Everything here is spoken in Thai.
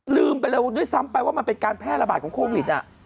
ลืมไปเลยด้วยซ้ำไปว่ามันเป็นการแพร่ระบาดของโควิด